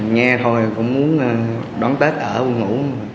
nghe thôi cũng muốn đón tết ở quân ngũ